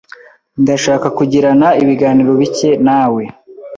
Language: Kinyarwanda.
Ndashaka kugirana ibiganiro bike nawe.